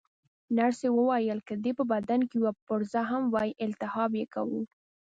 نرسې وویل: که دې په بدن کې یوه پرزه هم وای، التهاب یې کاوه.